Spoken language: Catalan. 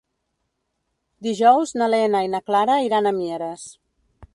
Dijous na Lena i na Clara iran a Mieres.